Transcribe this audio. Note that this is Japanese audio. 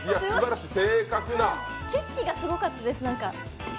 景色がすごかったです、なんか。